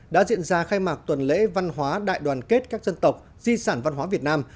đã diễn ra khai mạc tuần lễ văn hóa đại đoàn kết các dân tộc di sản văn hóa việt nam